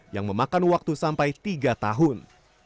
yang memakan waktu sampai tiga tahun